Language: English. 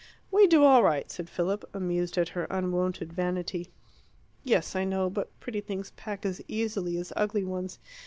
"We do all right," said Philip, amused at her unwonted vanity. "Yes, I know; but pretty things pack as easily as ugly ones.